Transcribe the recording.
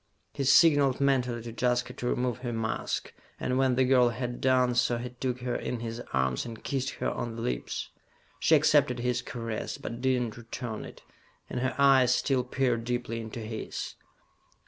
He signalled mentally to Jaska to remove her mask, and when the girl had done so he took her in his arms and kissed her on the lips. She accepted his caress, but did not return it, and her eyes still peered deeply into his.